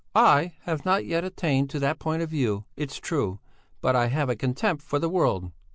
"I have not yet attained to that point of view, it's true, but I have a contempt for the world.